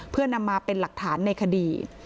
เพื่อนำมาเป็นหลักฐานในคดี